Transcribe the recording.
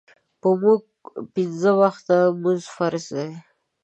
پۀ مونږ پينځۀ وخته مونځ فرض دے